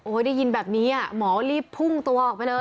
ได้ยินแบบนี้หมอรีบพุ่งตัวออกไปเลย